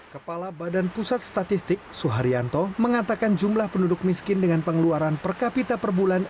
kepala badan pusat statistik suharyanto mengatakan jumlah penduduk miskin dengan pengeluaran per kapita per bulan